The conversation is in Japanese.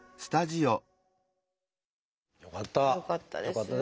よかった。